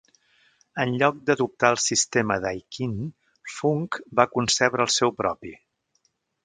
En lloc d'adoptar el sistema d'Aikin, Funk va concebre el seu propi.